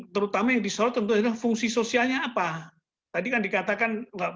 tutup ruwet dan sebagainya